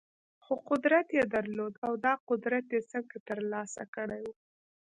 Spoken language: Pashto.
خو قدرت يې درلود او دا قدرت يې څنګه ترلاسه کړی و؟